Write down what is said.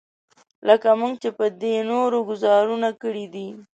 لکه موږ چې په دې نورو ګوزارونو کړی دی.